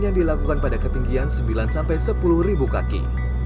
yang dilakukan pada ketinggian sembilan sepuluh ribu kaki